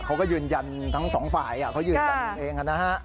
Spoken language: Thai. เขาก็ยืนยันทั้งสองฝ่ายเขายืนตันเอง